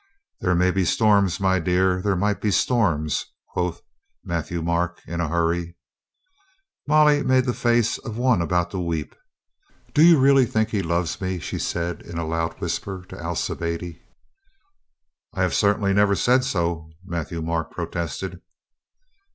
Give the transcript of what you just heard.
"There may be storms, my dear, there might be storms," quoth Matthieu Marc in a hurry. Molly made the face of one about to weep. "Do 262 COLONEL GREATHEART you think he really loves me?" said she in a loud whisper to Alcibiade. "I have certainly never said so," Matthieu Marc protested.